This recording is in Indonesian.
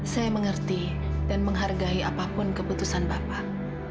saya mengerti dan menghargai apapun keputusan bapak